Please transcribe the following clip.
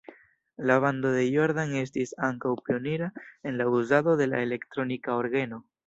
La bando de Jordan estis ankaŭ pionira en la uzado de la elektronika orgeno.